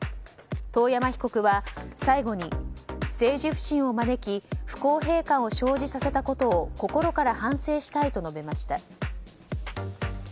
遠山被告は最後に政治不信を招き不公平感を生じさせたことを心から反省したいと述べました。